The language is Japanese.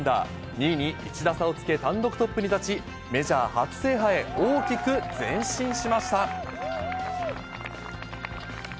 ２位に１打差をつけ単独トップに立ち、メジャー初制覇へ、大きく前進しました。